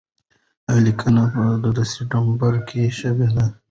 دا لیکنه په ډسمبر کې شوې ده.